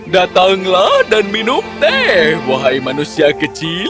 datanglah dan minum teh wahai manusia kecil